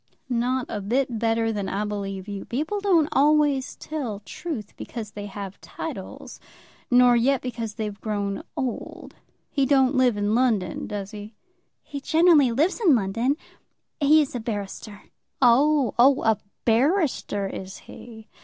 "Not a bit better than I believe you. People don't always tell truth because they have titles, nor yet because they've grown old. He don't live in London; does he?" "He generally lives in London. He is a barrister." "Oh, oh; a barrister is he.